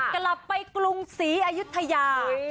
กลับไปกรุงศรีอายุทยา